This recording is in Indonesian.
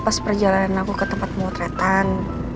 pas perjalanan aku ke tempat pemotretan